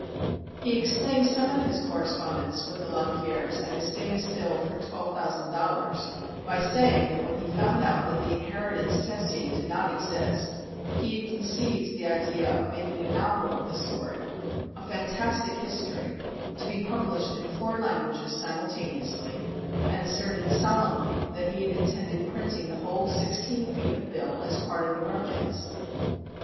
He explained some of his correspondence with the Lapierres and his famous bill for twelve thousand dollars by saying that when he found out that the inheritance Tessier did not exist he had conceived the idea of making a novel of the story a "fantastic history" to be published "in four languages simultaneously," and asserted solemnly that he had intended printing the whole sixteen feet of bill as part of the romance.